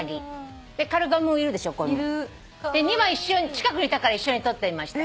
近くにいたから一緒に撮ってみました。